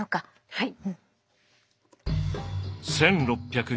はい。